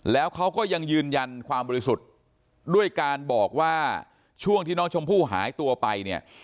แล้วเขาก็ยังยืนยันความบริสุทธิ์ด้วยการบอกว่าช่วงที่น้องชมพู่หายตัวไปเนี่ย